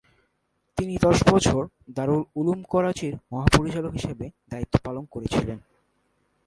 তিনি দশ বছর দারুল উলুম করাচীর মহাপরিচালক হিসেবে দায়িত্ব পালন করেছিলেন।